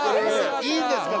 いいんですか？